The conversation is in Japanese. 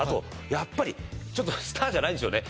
やっぱりちょっとスターじゃないんでしょうね